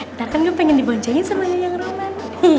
ntar kan gue pengen diboncengin sama yang roman